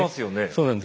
そうなんです。